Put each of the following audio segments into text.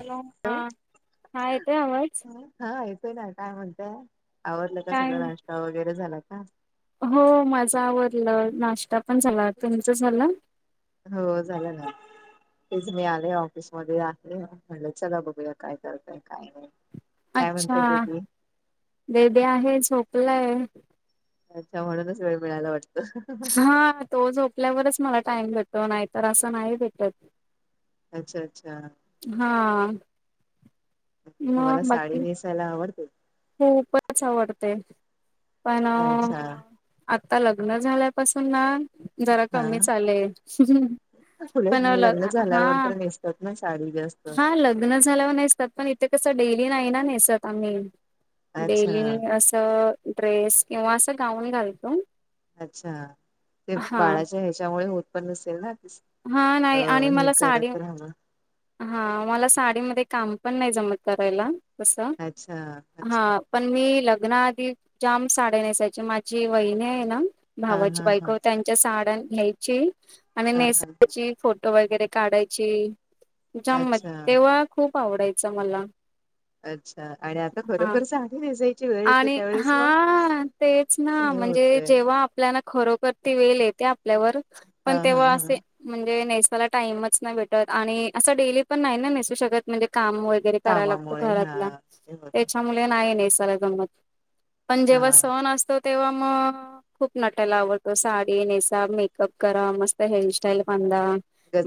Hello हा हा येतोय आवाज हा येतोय ना काय म्हणतय आवडलं का काय सगळं नाश्ता वगैरे झाला का हो माझा आवरलं नाश्ता पण झाला तुमच झालं हो झालं ना तेज मी आले ऑफिसमध्ये ह्या तरी म्हटले चला बघूया काय करताय काय नाही काय अच्छा म्हणताय बेबी बे-बे आहे झोपलाय अच्छा म्हणूनच वेळ मिळाला वाटत हा तो झोपल्यावरच मला टाईम घेतो नाहीतर असं नाही भेटत अच्छा अच्छा हां आता तुम्हाला साडी नेसायला आवडते खूपच आवडते पण अच्छा आता लग्न झाल्यापासून ना जरा कमी चाले कुढ लग्न झाल्यावर तर नेसतात ना सााडी जास्त. हा लग्न झाल्यावर नेसतात पण इथे कसं डेली नाही ना नेसत आम्ही. अच्छा डेली असं ड्रेस किंवा असं गाऊन घालतो. अच्छा ते हा बाळाच्या ह्याच्यामुळे उत्पन्न अससेल ना हा अ नाही आणि हे मला साडी करत राहावं हा मला साडीमध्ये काम पण नाही जमत करायला कसं अच्छा अच्छा हा पण मी लग्ना आधी जाम साड्या नेसायचे माझी वहिनी आहे ना. हा भावाची हा हा बायको त्यांच्या साड्या घ्यायची आणि हा नेस हा फोटो वगैरे काढायची जाम अच्छा तेव्हा खूप आवडायच मला. अच्छा आणि आता हा खरोखर साडी नेसायची वेळ येते आणि त्यावेळेस मग. हा तेच ना हे म्हणजे होतय जेव्हा आप आपल्याना खरोखर ते वेल येते आपल्यावर हा पण हा तेव्हा हा असे. म्हणजे नेसायला टाइमच नाही भेटत आणि असं डेली पण नाही ना नेसू शकत म्हणजे काम व एक तरी करायला लागतो कामामुळे हा घरातला. हे होत थांबले नाही निसर गंमत पण हा जेव्हा सण असत. तेव्हा मग खूप नटायला आवडत साडी नेसा मेकअप करा मस्त हेअरस्टाईल. पणदा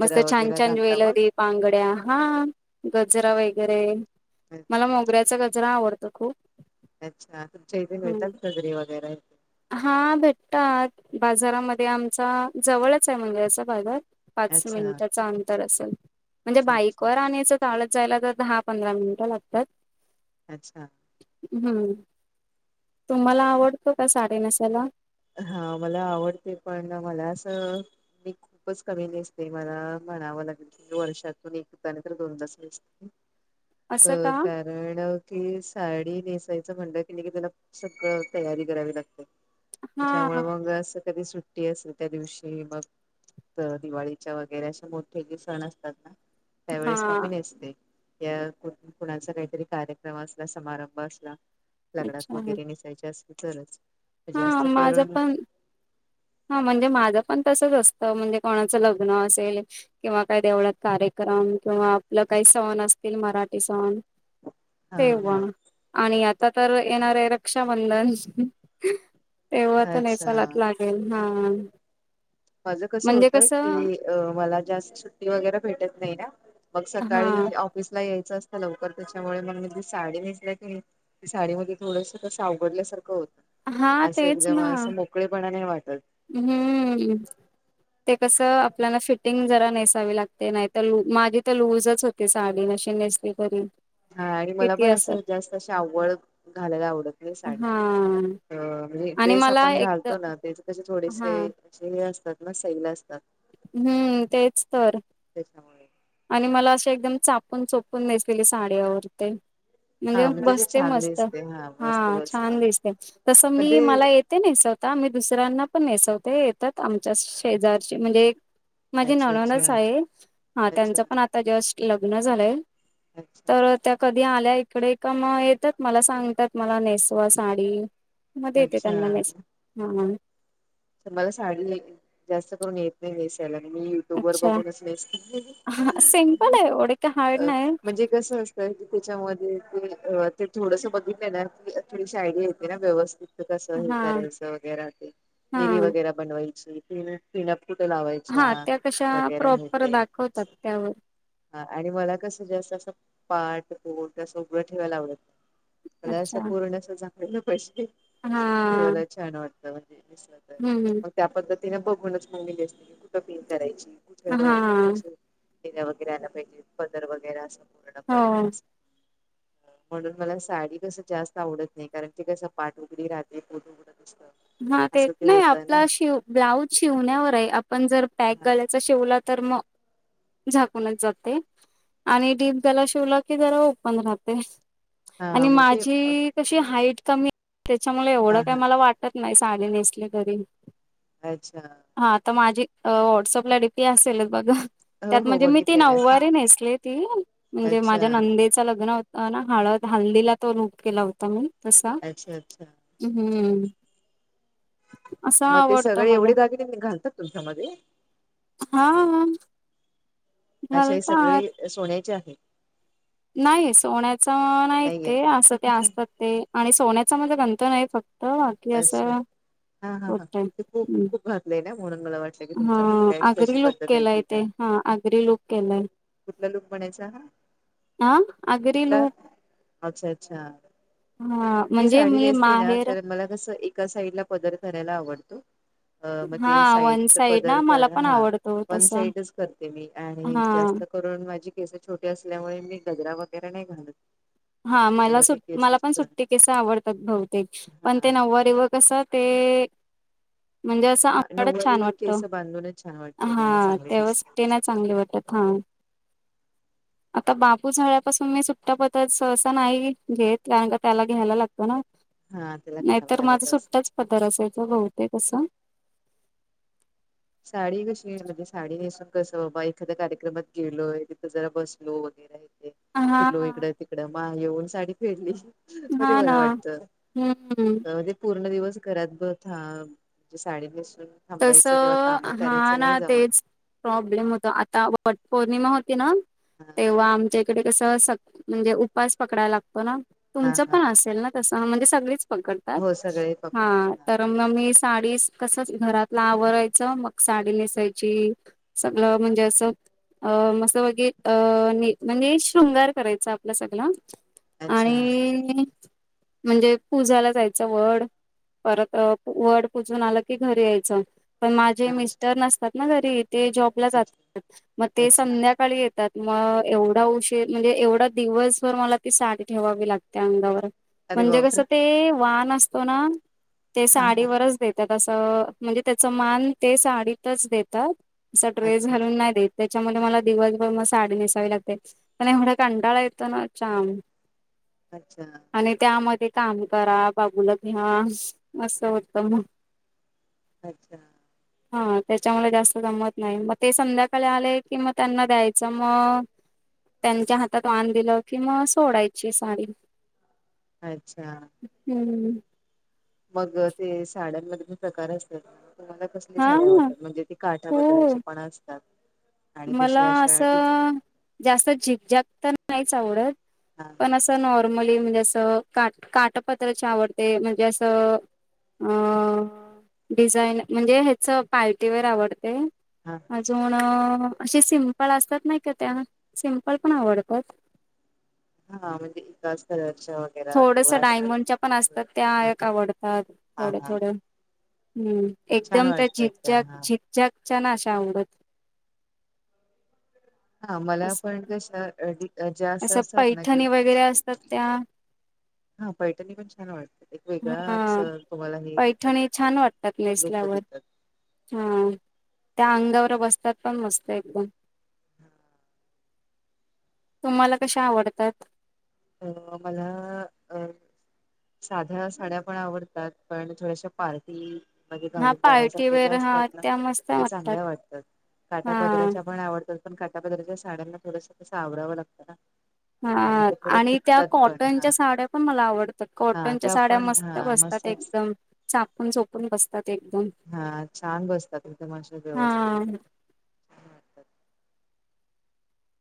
मस्त छान वगैरे छान घालता मग ज्वेलरी. बांगड्या हा गजरा वगैरे. मला अच्छा मोगऱ्याचा गजरा आवडतो खूप. अच्छा तुमच्या इथे हम्म मिळतात कजरी वगैरे. हा भेटतात बाजारामध्ये आमचा जवळच आहे म्हणजे असा बाजार. पाच अच्छा मिनिटाच अंतर असेल म्हणजे अच्छा अच्छा बाईकवर आणायचं. चालत जायला तर दहा पंधरा मिनिटं लागतात. अच्छा! हम्म तुम्हाला आवडतो का साडी नेसायला. हा मला आवडते पण मला असं. मी खूपच कमी नेसते मला म्हणावं लागेल. वर्षातून एकदा तर दोनदा दिसत अ असं का काय. हलकी साडी नेसायचं म्हणलं कि नाही की त्याला सगळं तयारी करावी लागते. हा तिच्यामुळे मग असं कधी सुट्टी असेल त्या दिवशी मग. तर दिवाळीच्या वगैरे असे मोठे जे सण असतात ना हा त्यावेेळेस कमी नेसते. या कुणाचा काहीतरी कार्यक्रम असला समारंभ असला. लगडात अच्छा वगैरे नेसायचे असतील तरच. हा जास्त माझं करून पण. हा म्हणजे माझं पण तसंच असतं म्हणजे कोणाचं लग्न असेल. किंवा काय देवळात कार्यक्रम किंवा आपलं काही सण असतील मराठी सण. हा तेव्हा आणि आता तर येणार आहे रक्षाबंधन. तेव्हा हा तर अच्छा नेसालात लागेल हा. माझं कस म्हणजे होत की कसं मला जास्त सुट्टी वगैरे भेटत नाही ना. मग हा सकाळी ऑफिसला यायचं असतं लवकर त्याच्यामुळे मग मी साडी नसल्या की नाही. साडीमध्ये थोडस तसं अवघडल्यासारखं हा होत अस तेच एकदम ना अस मो. पकळेपणा नाही वाटत.. हम्म ते कसं आपल्याला फिटिंग जरा नेसावी लागते नाही तर ल माझी तर लूजच होती साडी नशी नेसली करून. हा आणि मला पण असं जास्त अशी आवड घालायला आवडत नाही साडी. हा अ म्हणजे आणि वेस मला आपण एकद घालतो ना तेच. त्याचे हा थोडेसे असे हे असतात ना सैल असतात. हम्म तेच तर. त्या आणि मला असे एकदम चापून चोपून नेसलेली साडी आवडते. म्हणजे हा ते बसते छान मस्त दिसते हा मस्त बसते छान दिसते तसं पण मी ते मला ये ते नेसवता मी दुसऱ्यांना पण नेसवते येतात आमच्या शेजारची म्हणजे माझे अच्छा ननंदचं अच्छा आहे. अच्छा त्यांच पण आता जस्ट लग्न झालंय अच्छा तर. त्या कधी आल्या इकडे का मग येतात मला सांगतात मला नेसवा साडी. मध्ये येत अच्छा तन मनेस हा. मला साडी जास्त करून येत नाही नेसायला मी य तू वर अच्छा बघूनच नस हा सिम्पल आहे एवढे काय हार्ड नाही म्हणजे असत की त्याच्यामध्ये ते ते थोडस बदून देणार की थोडीशी आयडिया येते ना व्यवस्थित. कसं हे हा करायसं वगैरे ते निरी हा वगैरे बनवायची ती. पिनप कुठे लावायच्या हा त्या कशा वगैरे हे प्रॉपर ते दाखवतात त्यावर हा आणि मला कसं जास्त असं पाट पोट असं उगडा ठेवायला आवडत मला असं अच्छा पूर्ण अस झागलेलं पाहिजे हा ते मला छान वाटतं म्हणजे दिसत. हम् हम त्या पद्धतीने बघूनचली अस नाही कुठं पिन करायची कुठवर. हा हिजे पदर वगैरे असं पूर्णप हो म्हणून मला साडी कसं जास्त आवडत नाही कारण ते कसं पाठ वगैरे राहते पुढ अस हा तेच नाही आपला शव ब्लाऊज शिवण्यावर आहे आपण जर पॅक ग शिवला तर मग झाकूनच जाते आणि डीप गला शिवला की जरा ओपन राहते. हा आणि मग ते हा माझी कशी हाईट कमी आहे त्याच्यामुळे एवढं काही हा मला वाटत नाही साडी नेसली तरी. अच्छा. हा तर माझी व्हॉट्सअप ला डीपी असेलच बघ. हो त्यात हो म्हणजे मी ती बघितले ना नववारी नेसली ती म्हणजे अच्छा माझ्या नंदे लग्न हो हळ हळदीला तो लूक केला होता मी तसा. अच्छा अच्छा. हम् हम्म असं मग ते आवडतं सगळे मला एवढे दागिने मी घालतात तुमच्यामध्ये? हा. अशे हे घालतात सगळे सोन्याचे आहे. नाही सोन्याच नाही ते असं ते असतात ते आणि सोन्याच माझ गंठण आहे फक्त त बाकी अच्छा असं हा हा हा ओके. ते खूप खूप घातलंय ना म्हणून मला वाटलं की हा तुमच्यामध्येय कशी आगरी लूक पद्धत हाय. ते केलाय हा आगरी लूक केलाय. कुठला लुक म्हनायचा हा? ह अगरी कुठला लूक. अच्छा अच्छा! हा मी म्हणजे साडी नेसते ना माहेर तर मला जस एका साइड ला पदर धरायला आवडतो. अ मग ते हा वन साईड पदर ना मला कर पण हा आवडतो वन तसा. साईडच करते मी आणि हा जास्त करून माझी केसे छोटी असल्यामुळे मी गजरा वगैरे नाही घालत. हा मला तेव्हा ते सुट मला पण केसच सुट्टी केस आवडतात बहुतेक पण ते हा नववारीव कस ते म्हणजे असं आंबडच छान नऊवारी वाटत केस बांधूनच छान वाटतात आणि हा चांगले तेव्हाच दिसतात च वाट हा आता बापू झाल्यापासून मी सुट सहसा नाही घेत कारण की त्याला घ्यायला लागत. पण हा त्याला घ्यावं नाहीतर माझा लागत असेल सुट्टाच पदार असायचा बहुतेक अससं. साडी कशी म्हणजे साडी नेसून कसं बाबा एखाद्या कार्यक्रमात गेलोय तिथं जरा बस लो वगैरे य फि हा लो इकडं तिकड मा येऊन साडी फेडली मध्ये हा ना बरं वाटत हम्म म्हणज पूर्ण दिवस घरात बते साडी नेसून तस थांबायचं किंवा काम हा करायचं नाही ना जमत तेच प्रॉब्लेम होत आता व पौर्णिमा होती ना हा आमच्याकडे कस म्हणजे उपास पकडायला लागतो ना हा तुमच हा पण असेल ना? त म्हणजे सगळीच पकडतात हो सगळे हा पकडतात तर मग मी साडी कसच घरात लावरायचं मग साडी नेसायची सगळ म्हणजे असं अ मस्ं वगेर अ म्हणजे शृंगार करायच आपलं सगळ आणि अच्छा म्हणजे पूजायला जायचं वड परत वड पूजून आलं की घरी यायचं पण माझे हा मिस्टर नसतात ना घरी ते जॉबला अच्छा जातात मग ते अच्छा संध्याकाळी येत त्यात म एवढा उशीर म्हणजे एवढा दिवसभर मला ती साडी ठेवावी लागते त्या अंगावर अरे म्हणजे बापरे कसं ते वान असतो ना ते हा हा साडीवरच देतात अस म्हणजे त्याच मान ते साडीतच देतात अस ड्रेस अच्छा घालून नाही देत त्याच्यामुळे मला दिवसभर म साडी नेसावी लागते आणि एवे कंाळ येतना चम अच्छा आणि त्यामध्ये काम करा बाबूला घ्या असं होतं मग अच्छा हा त्याच्यामुळे जास्त गमत नाही मग ते संध्याकाळी आले की मग त्यांना द्यायचं मग त्यांच्या हातात वान दिलं कि मग सोडायची साडी अच्छा हम्म मग ते साड्यांमध्ये जे प्रकार असत तुम्हाला कस हा डतात म्हणजे ते काठा हो पदराचे पण असतात आणि मला दुसऱ्या अशा डिझाईन असं जास्त झिकझाक तर नाहीच आवडत हां पण असं नॉर्मली म्हणजे असं का काटपत्राची आवडते म्हणजे असं अ डिझाईन म्हणजे ह्याच पार्टीवेअर आवडते हां अजून अे सिंपल असतात नाही का त्या सिंपल पण आवडतात हा म्हणजे एकाच कराच्या थोडंस डायमंडच्या पण असतात त्या हा एक हा आवडतात हा थोड्या हा थोड्या ह् छान एकदम त्या वाटतात झिझाग हा झिितझागच्या ना अशा अवंगत हा मला अस पण कश जास्त असं असतात ना की पैठणी वगैरे असतात त्या हा पैठणी पण छान वाटत हा देतात पैठणी छान वाटतात लोक नेसल्यावर देतात हा त्या अंगावर बसतात पण मस्त एकदम हा तुम्हाला कशा आवडतात अ मला साध्या साड्या पण आवडतात पण थोड्याशा पार्टी म्हणे हा घालून जाण्यासारख्या ज्या पार्टीवेअर असतात हा ना मस्त त्या चांगल्या वाटतात काट्या हा पदऱ्याच्या पण आवडतात पण काटा पदाराच्या साड्यांना थोडंसं तं आवरावं लागत ना आणि हा ते थोडं आणि त्या फुटतात पण हा कॉटनच्या साड्या पण मला आवडतात हा कॉटनच्या त्या साड्या पण मस्त हा बसतात मस्त एकदम चापून झोपून बसतात एकदम हा छान बसतातथ मश हा व्यवस्थित अच्छा छान वाटतात.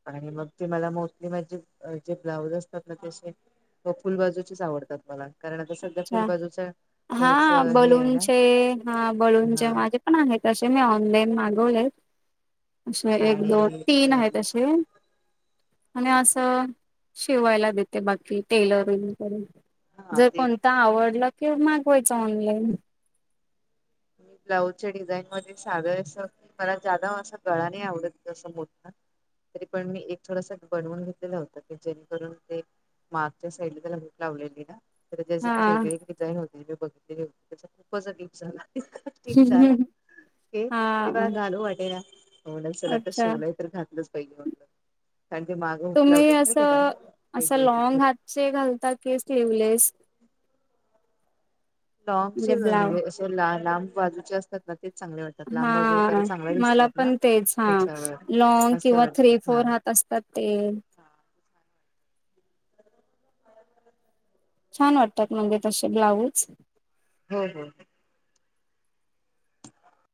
आणि मग ते मला मोस्टली माझे जे ब्लाऊज असतात ना ते व फुल बाजूचीच आवडतात मला आता सध्या अच्छा फुलबाजूच्या हा त्याच हे आहे ना बलूनचे हा हा बलूनूनचे माझे पण आहे ते मी ऑनलाईन मागवले अे एक दोन आणि अ तीन आहेत असे आणि असं शिवायला देते बाकी टेलरिंग वगैरे हा ते आवडलं कि मागवायच ऑनलाईन मी ब्लाऊजच्या डिझाईन मध्ये साधर असं मला जादाव अशा गळा नाही आवडत जसं मोठण तरी पण मी एक थोडासा बनवून घेतलेला होता की जेणेकरून ते मागच्या साईड त्याला भेट लावलेली ना तर जशी एक हा. वेगळी डिझाईन होते मी बघितलेली होती त्या खूपच िप झाला ठीक झालाक तेव्हा हा घालू वाटेला म्ह चला तर अच्छा शिवलाय तर घातलं हिज मागं हक तुम्ही लावलीत ना त्याला वेगवेगळी झा शे घालतात की स्लीव्हलेस लँग सन म्हणजे असे ला लांब बाजूचे असतात ना तेच चांगले वाटतात लांब बाजू जरा हा चांगल्या मला दिसतात ना पण तेच हा त्याच्यावर लंग मस्त किंवा ्री वाटतात हा फर असतात ते छान वाटतात म्हणजे तसे ब्लाऊज हम् हम